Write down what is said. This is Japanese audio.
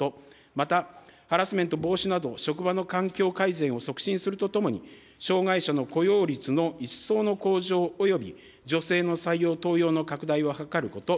また、ハラスメント防止など、職場の環境改善を促進するとともに、障害者の雇用率の一層の向上および女性の採用登用の拡大を図ること。